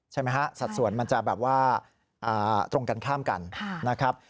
ใช่ไหมฮะสัดส่วนมันจะแบบว่าตรงกันข้ามกันนะครับ